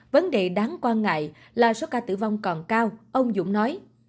vấn đề đáng quan ngại là số ca tử vong còn cao ông dũng nói